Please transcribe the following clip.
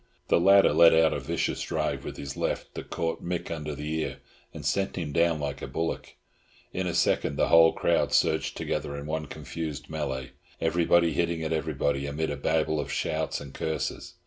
The latter let out a vicious drive with his left that caught Mick under the ear and sent him down like a bullock. In a second the whole crowd surged together in one confused melée, everybody hitting at everybody amid a Babel of shouts and curses.